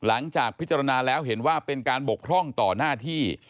หลังจากพิจารณาแล้วเห็นว่าเป็นการบกพร่องต่อหน้าที่